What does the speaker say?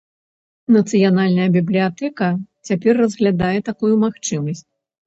Нацыянальная бібліятэка цяпер разглядае такую магчымасць.